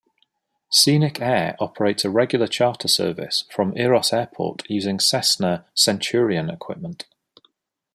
Scenic-Air operates a regular charter service from Eros Airport, using Cessna Centurion equipment.